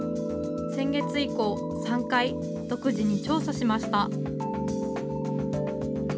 先月以降、３回独自に調査しました。